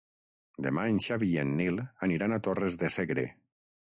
Demà en Xavi i en Nil aniran a Torres de Segre.